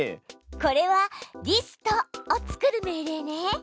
これは「リスト」を作る命令ね。